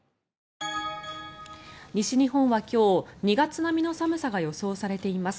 西日本は今日２月並みの寒さが予想されています。